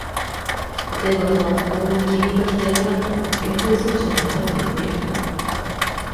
固定型は、今後、金利が引き上げられても、現行水準のままというメリットがある。